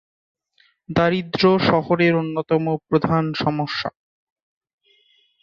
দারিদ্র্য শহরের অন্যতম প্রধান সমস্যা।